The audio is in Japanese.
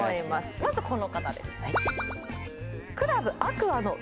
まずこの方ですね